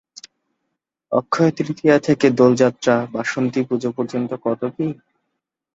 অক্ষয়তৃতীয়া থেকে দোলযাত্রা বাসন্তীপুজো পর্যন্ত কত কী।